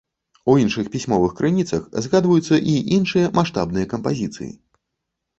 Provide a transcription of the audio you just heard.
У іншых пісьмовых крыніцах згадваюцца і іншыя маштабныя кампазіцыі.